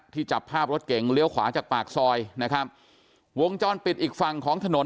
จับภาพรถเก่งเลี้ยวขวาจากปากซอยนะครับวงจรปิดอีกฝั่งของถนน